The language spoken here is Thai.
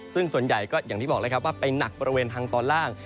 ซึ่งส่วนใหญ่ก็อย่างที่บอกเลยไปหนักบริเวณฮังตอนล่าง